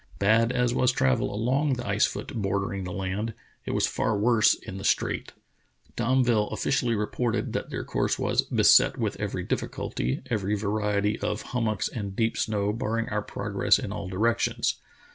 Bad as was travel along the ice foot bordering the land, it was far worse in the strait. Domville offi cially reported that their course "was beset with every difficulty, every variety of hummocks and deep snow barring our progress in all directions.